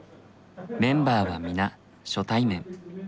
メンバーは皆初対面。